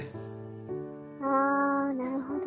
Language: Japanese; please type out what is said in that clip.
あなるほど。